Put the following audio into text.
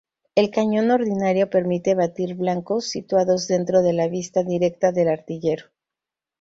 El cañón ordinario permite batir blancos situados dentro de la vista directa del artillero.